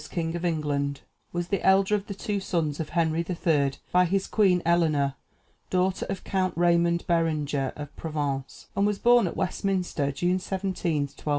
King of England, was the elder of the two sons of Henry III., by his queen, Eleanor, daughter of Count Raymond Berenger of Provence, and was born at Westminster, June 17, 1239.